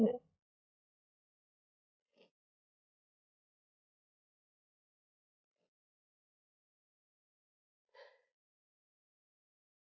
mama gak mau jauh lagi